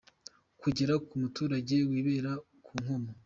kugera ku muturage wibereye ku Nkombo.